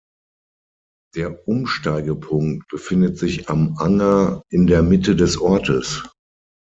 Der Umsteigepunkt befindet sich am Anger in der Mitte des Ortes.